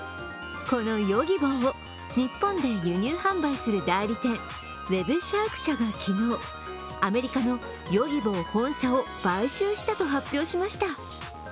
このＹｏｇｉｂｏを日本で輸入販売する代理店、ウェブシャーク社が昨日、アメリカのヨギボー本社を買収したと発表しました。